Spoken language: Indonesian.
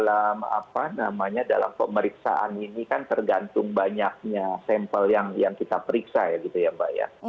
dalam apa namanya dalam pemeriksaan ini kan tergantung banyaknya sampel yang kita periksa ya gitu ya mbak ya